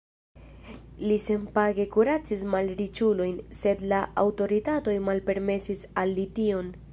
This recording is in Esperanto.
Li senpage kuracis malriĉulojn, sed la aŭtoritatoj malpermesis al li tion.